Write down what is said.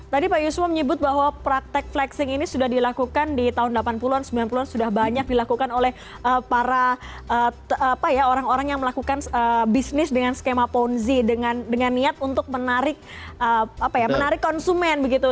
tadi pak yusuf menyebut bahwa praktek flexing ini sudah dilakukan di tahun delapan puluh an sembilan puluh an sudah banyak dilakukan oleh para orang orang yang melakukan bisnis dengan skema ponzi dengan niat untuk menarik konsumen begitu